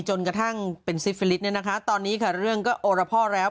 จนกระทั่งเป็นซีฟิลิตตอนนี้ค่ะเรื่องก็โอรพ่อแล้ว